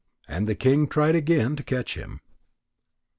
And the king tried again to catch him.